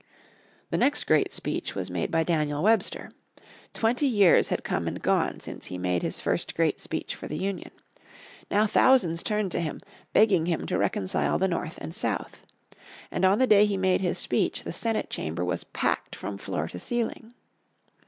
The next great speech was made by Daniel Webster. Twenty years had come and gone since he made his first great speech for Union. Now thousands turned to him, begging him to reconcile the North and South. And on the day he made his speech, the Senate Chamber was packed from floor to ceiling.